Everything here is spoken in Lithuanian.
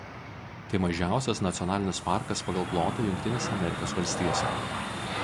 Tai mažiausias nacionalinis parkas pagal plotą Jungtinėse Amerikos Valstijose.